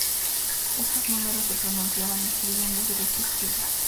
Estos números se pronunciaban y escribían de derecha a izquierda.